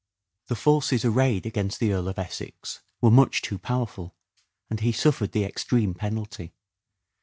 The forces arrayed against the Earl of Essex were much too powerful, and he suffered the extreme penalty.